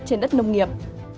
trên đất nông nghiệp